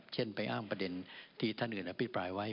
เช่นไปอ้างประเด็นที่ท่านอื่นอภิปรายไว้